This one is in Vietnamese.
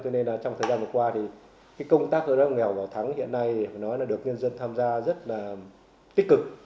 cho nên là trong thời gian vừa qua thì cái công tác rất là nghèo vào tháng hiện nay thì phải nói là được nhân dân tham gia rất là tích cực